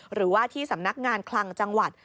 หรือว่าที่สำนักงานคลังจังหวัด